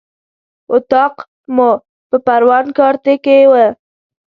اطاق مو په پروان کارته کې و.